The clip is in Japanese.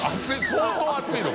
相当熱いの？